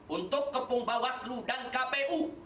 untuk kepung bawaslu dan kpu